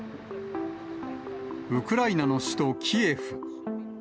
ウクライナの首都キエフ。